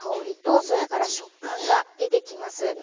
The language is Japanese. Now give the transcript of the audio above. それから食感が出てきます。